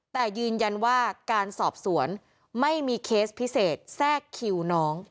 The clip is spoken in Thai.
แต่ยืนยันว่าการสอบสวนไม่มีเคสพิเศษแทรกคิวน้อง